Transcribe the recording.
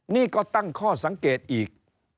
นี่ก็ตั้งข้อสังเกตอีก